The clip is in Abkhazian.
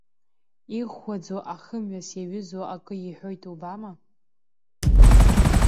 Иӷәӷәаӡоу, ахымҩас иаҩызоу акы иҳәоит убама.